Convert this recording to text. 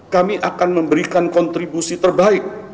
kami akan memberikan kontribusi terbaik